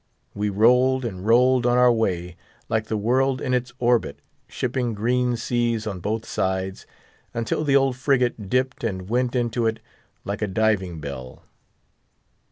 We rolled and rolled on our way, like the world in its orbit, shipping green seas on both sides, until the old frigate dipped and went into it like a diving bell.